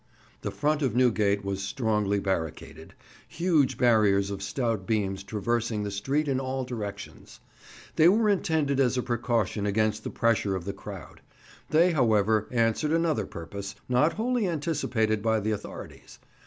The front of Newgate was strongly barricaded, huge barriers of stout beams traversing the street in all directions; they were intended as a precaution against the pressure of the crowd; they, however, answered another purpose, not wholly anticipated by the authorities.